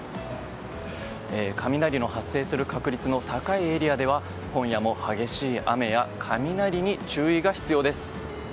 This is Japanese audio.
雷の発生する確率の高いエリアでは今夜も激しい雨や雷に注意が必要です。